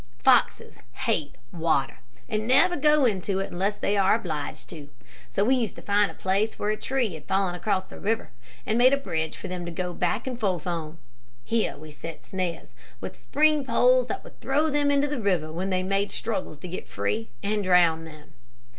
Foxes hate water, and never go into it unless they are obliged to, so we used to find a place where a tree had fallen across a river, and made a bridge for them to go back and forth on. Here we set snares, with spring poles that would throw them into the river when they made struggles to get free, and drown them.